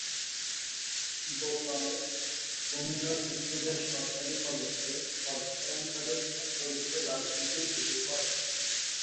Gopal Comilla Victoria সরকারি কলেজে অধ্যয়নকালে ছাত্র লীগের রাজনীতি শুরু করেন।